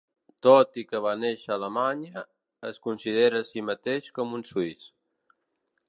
Tot i que va néixer a Alemanya, es considera a si mateix com un suís.